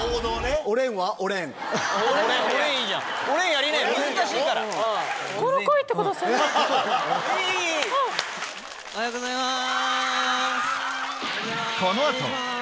おはようございます！